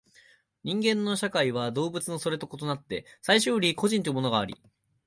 人間の社会は動物のそれと異なって最初より個人というものがあり、